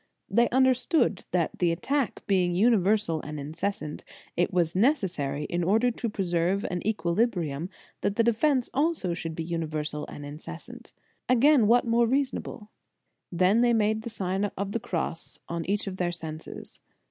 They understood that the attack being universal and incessant, it was necessary, in order to preserve an equili brium, that the defence also should be uni versal and incessant. Again, what more reasonable? They then made the Sign of the Cross on each of their senses.